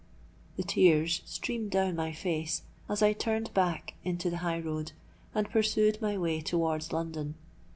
"The tears streamed down my face as I turned back into the high road and pursued my way towards London.